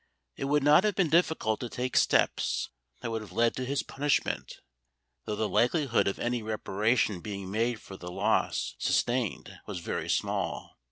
It would not have been difficult to take steps that would have led to his punishment; though the likelihood of any reparation being made for the loss sustained was very small.